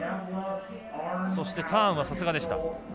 そして、ターンはさすがでした。